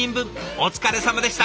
お疲れさまでした！